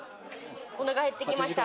おなか減ってきました。